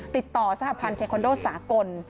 ติดต่อสหพาลเทควันโดสากล